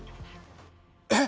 えっ！